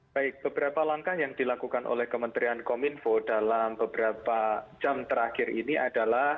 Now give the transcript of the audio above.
baik beberapa langkah yang dilakukan oleh kementerian kominfo dalam beberapa jam terakhir ini adalah